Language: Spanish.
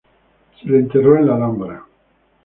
Se le enterró en la Alhambra.